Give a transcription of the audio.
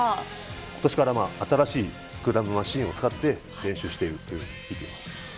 ことしから新しいスクラムマシンを使って、練習しているって聞いてます。